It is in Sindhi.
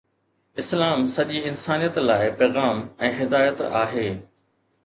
اسلام سڄي انسانيت لاءِ پيغام ۽ هدايت آهي.